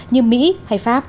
như mỹ hay pháp